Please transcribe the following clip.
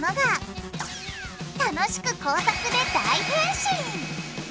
楽しく工作で大変身！